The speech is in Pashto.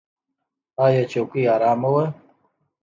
ایا څوکۍ ارامه وه؟